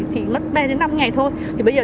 chỉ mất ba đến năm ngày thôi thì bây giờ